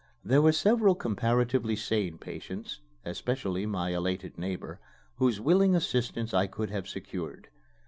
There were several comparatively sane patients (especially my elated neighbor) whose willing assistance I could have secured.